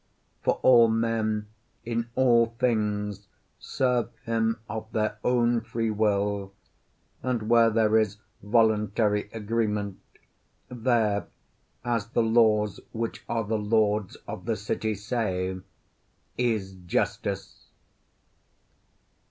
For all men in all things serve him of their own free will, and where there is voluntary agreement, there, as the laws which are the lords of the city say, is justice.